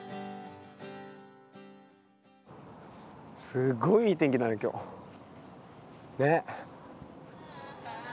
すごいいい天気だね今日。ね！